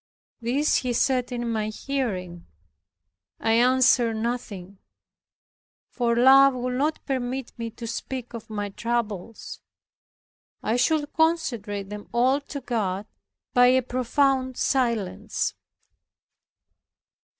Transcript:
This he said in my hearing. I answered nothing; for love would not permit me to speak of my troubles. I should consecrate them all to God by a profound silence.